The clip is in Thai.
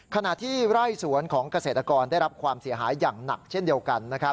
ขณะที่ไร่สวนของเกษตรกรได้รับความเสียหายอย่างหนักเช่นเดียวกัน